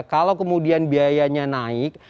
kalau kemudian biayanya naik